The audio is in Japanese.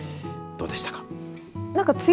どうでしたか。